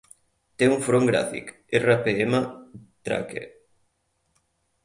Té un front gràfic: Rpmdrake.